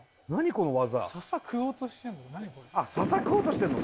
この技・笹食おうとしてんの？